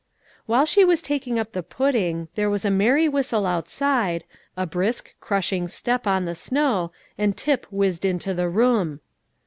While she was taking up the pudding, there was a merry whistle outside, a brisk, crushing step on the snow, and Tip whizzed into the room.